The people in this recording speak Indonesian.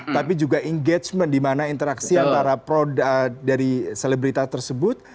tapi juga engagement di mana interaksi antara produk dari selebrita tersebut